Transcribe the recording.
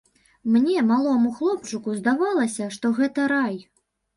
Мне, малому хлопчыку, здавалася, што гэта рай.